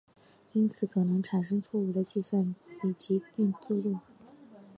因此可能产生错误的计算及动作。